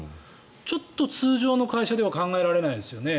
ちょっと通常の会社では考えられないですよね